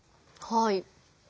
はい。